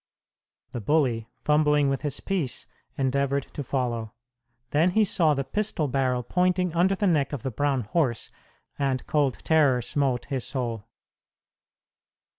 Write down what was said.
The bully, fumbling with his piece, endeavored to follow. Then he saw the pistol barrel pointing under the neck of the brown horse, and cold terror smote his soul.